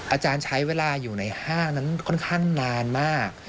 อาจารย์ใช้เวลาอยู่ในห้างนั้นค่อนข้างนานมาก